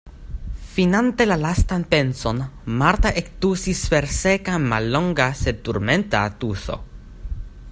Finante la lastan penson, Marta ektusis per seka, mallonga sed turmenta tuso.